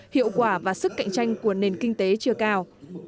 hiệu quả và sức cạnh tranh của nền kinh tế chưa cao